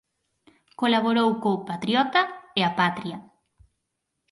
Colaborou co "Patriota" e "A Patria".